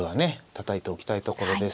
たたいておきたいところです。